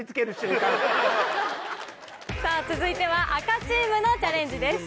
さぁ続いては赤チームのチャレンジです。